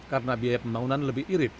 karena biaya pembangunan lebih irit